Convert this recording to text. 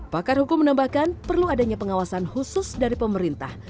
pakar hukum menambahkan perlu adanya pengawasan khusus dari pemerintah